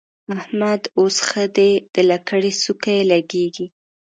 احمد اوس ښه دی؛ د لکړې څوکه يې لګېږي.